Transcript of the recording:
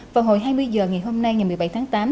vào hồi hai mươi h ngày hôm nay ngày một mươi bảy tháng tám